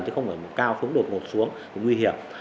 chứ không phải cao xuống đột ngột xuống nguy hiểm